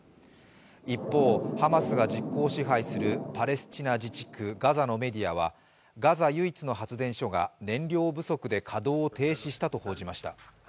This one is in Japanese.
一方、ハマスが実効支配するパレスチナ自治区ガザのメディアはガザ唯一の発電所が燃料不足で稼働を停止したと発表しました。